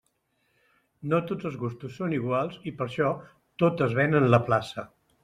No tots els gustos són iguals, i per això tot es ven en la plaça.